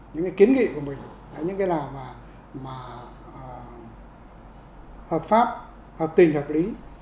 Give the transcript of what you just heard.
những cái kiến nghị của mình những cái nào mà hợp pháp hợp tình hợp lý